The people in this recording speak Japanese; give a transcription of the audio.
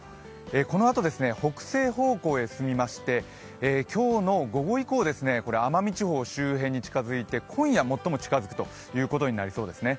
このあと北西方向に進みまして今日の午後以降、奄美地方周辺に近づいて、今夜最も近づくということになりそうですね。